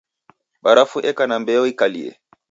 Barafu eka na mbeo ikalie.